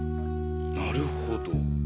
なるほど。